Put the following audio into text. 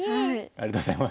ありがとうございます。